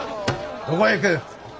どこへ行く？